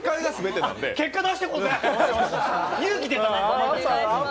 結果示していこうぜ！